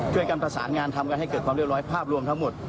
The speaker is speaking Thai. ช่วยกันประสานงานทำกันให้เกิดความเรียบร้อยภาพรวมทั้งหมด